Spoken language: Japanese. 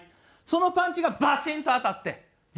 そのパンチがバシンと当たって善戦する。